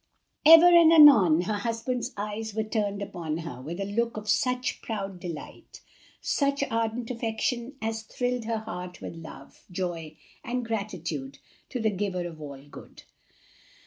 Ever and anon her husband's eyes were turned upon her with a look of such proud delight, such ardent affection as thrilled her heart with love, joy, and gratitude to the Giver of all good.